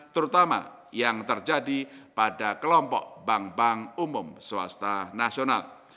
terutama yang terjadi pada kelompok bank bank umum swasta nasional